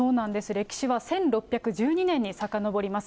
歴史は１６１２年にさかのぼります。